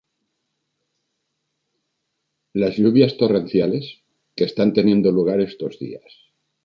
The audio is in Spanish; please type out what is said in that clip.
Las lluvias torrenciales que están teniendo lugar estos días